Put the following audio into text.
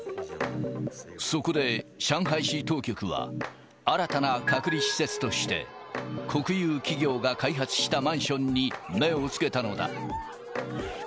そこで、上海市当局は、新たな隔離施設として、国有企業が開発したマンションに目をつけたのだ。